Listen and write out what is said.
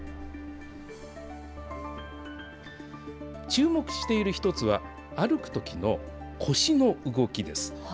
注目している一つは、歩くときの腰の動きです。